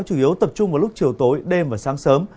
chủ yếu tập trung vào lúc chiều tối đêm và sáng sớm